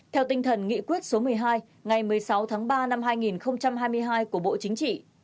theo tinh thần nghị quyết số một mươi hai ngày một mươi sáu tháng ba năm hai nghìn hai mươi hai của bộ chính trị